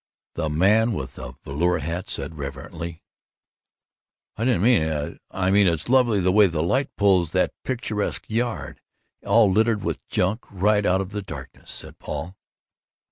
the man with the velour hat said reverently. "I didn't mean I mean it's lovely the way the light pulls that picturesque yard, all littered with junk, right out of the darkness," said Paul.